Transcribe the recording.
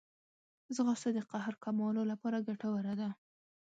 ځغاسته د قهر کمولو لپاره ګټوره ده